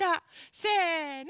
せの！